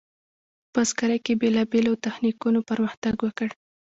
په بزګرۍ کې بیلابیلو تخنیکونو پرمختګ وکړ.